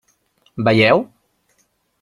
Veieu?